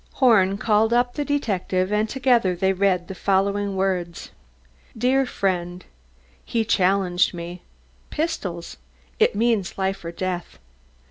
Horn called up the detective, and together they read the following words: "Dear Friend: "He challenged me pistols it means life or death.